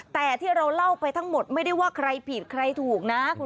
แต่ที่เราเล่าไปทั้งหมดไม่ได้ว่าใครผิดใครถูกนะ